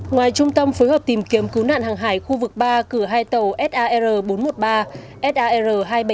ngoài trung tâm phối hợp tìm kiếm cứu nạn hàng hải khu vực ba cử hai tàu sar bốn trăm một mươi ba sar hai trăm bảy mươi bảy